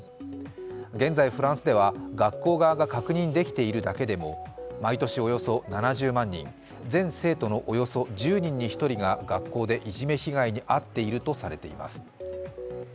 現在フランスでは学校側が確認できているだけでも毎年およそ７０万人、全生徒のおよそ１０人に１人が学校でいじめ被害に遭っているとされています。